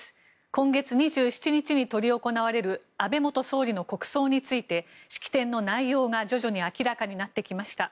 今月２７日に執り行われる安倍元総理の国葬について式典の内容が徐々に明らかになってきました。